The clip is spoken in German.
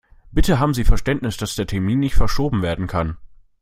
Bitte haben Sie Verständnis, dass der Termin nicht verschoben werden kann.